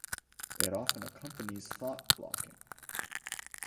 It often accompanies thought blocking.